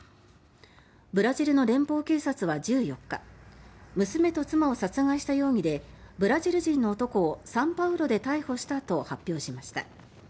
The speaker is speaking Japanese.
ブラジルの連邦警察は１４日娘と妻を殺害した容疑でブラジル人の男をサンパウロで逮捕したと発表しました。